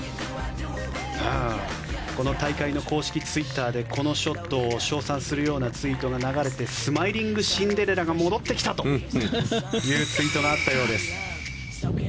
この大会の公式ツイッターでこのショットを称賛するようなツイートが流れてスマイリングシンデレラが戻ってきたというツイートがあったようです。